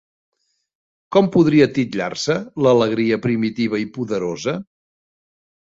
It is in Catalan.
Com podria titllar-se l'alegria primitiva i poderosa?